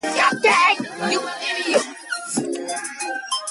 Despite its name, lanthionine does not contain the element lanthanum.